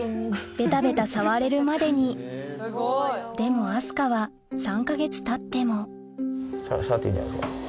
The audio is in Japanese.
ベタベタ触れるまでにでも明日香は３か月たってもシャって言うんじゃ。